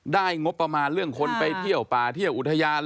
งบประมาณเรื่องคนไปเที่ยวป่าเที่ยวอุทยาน